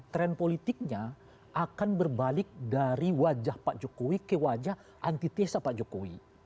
tren politiknya akan berbalik dari wajah pak jokowi ke wajah anti tesa pak jokowi